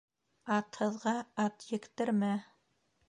Атһыҙға ат ектермә